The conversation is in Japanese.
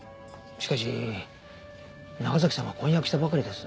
しかし長崎さんは婚約したばかりです。